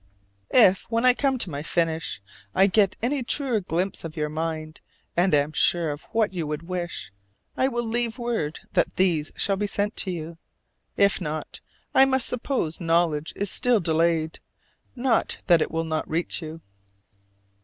If, when I come to my finish, I get any truer glimpse of your mind, and am sure of what you would wish, I will leave word that these shall be sent to you. If not, I must suppose knowledge is still delayed, not that it will not reach you.